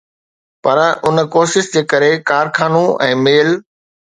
پر ان ڪوشش جي ڪري ڪارخانو ۽ ميل